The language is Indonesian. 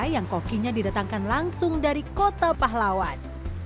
yang kokinya didatangkan langsung dari kota pahlawan